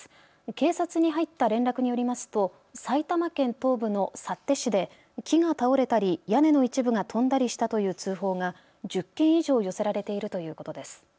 警察に入った連絡によりますと埼玉県東部の幸手市で木が倒れたり屋根の一部が飛んだりしたという通報が１０件以上寄せられているということです。